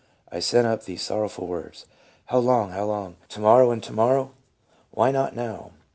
I sent up these sorrowful words :' How long ? how long ? to morrow and to morrow 1 Why not now